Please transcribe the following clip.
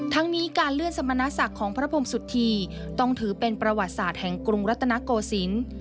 ทั้งนี้การเลื่อนสมณศักดิ์ของพระพรมสุธีต้องถือเป็นประวัติศาสตร์แห่งกรุงรัตนโกศิลป์